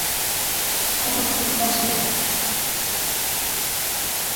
কনডমের বিক্রি বাড়ছেই না।